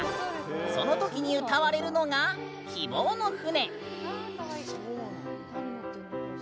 その時に歌われるのが「希望の船」。